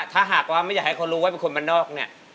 ถ้าหากว่าไม่อยากให้เขารู้ว่าเป็นคนบ้านนอกเนี่ย